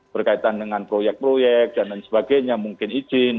berkaitan dengan proyek proyek dan lain sebagainya mungkin izin